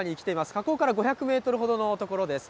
河口から５００メートルほどの所です。